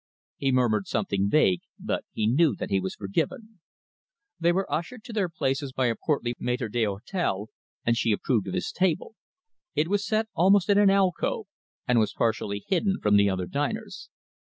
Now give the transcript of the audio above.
He murmured something vague, but he knew that he was forgiven. They were ushered to their places by a portly maitre d'hotel, and she approved of his table. It was set almost in an alcove, and was partially hidden from the other diners.